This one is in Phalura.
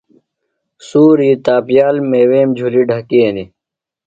سُوری تاپیال میویم جُھلیۡ ڈھکینی۔